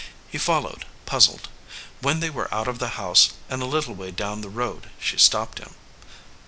He followed, puzzled. When they were out of the house and a little way down the road she stopped him.